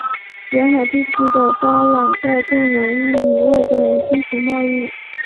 沿海地区的巴朗盖更容易与外国人进行贸易。